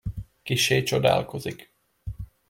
Kissé csodálkozik.